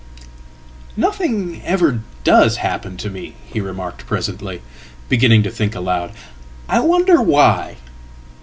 "Nothing ever does happen to me," he remarked presently, beginning tothink aloud. "I wonder why?